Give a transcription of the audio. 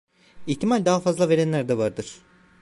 İhtimal daha fazla verenler de vardır.